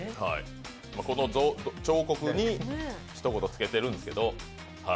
この彫刻にひと言つけてるんですけど。